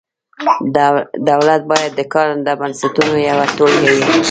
دولت باید د کارنده بنسټونو یوه ټولګه وي.